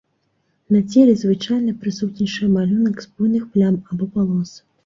На целе звычайна прысутнічае малюнак з буйных плям або палос.